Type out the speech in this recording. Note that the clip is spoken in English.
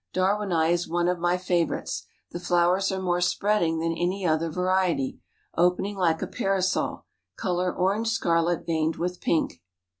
Darwinii is one of my favorites. The flowers are more spreading than any other variety, opening like a parasol; color orange scarlet veined with pink.